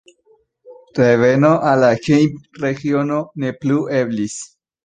Reveno al la hejm-regiono ne plu eblis.